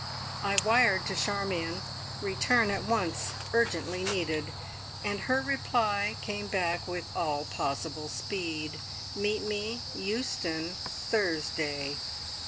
I wired to Charmion, "Return at once. Urgently needed," and her reply came back with all possible speed, "Meet me Euston Thursday".